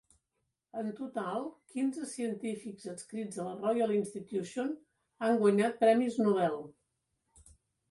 En total, quinze científics adscrits a la Royal Institution han guanyat premis Nobel.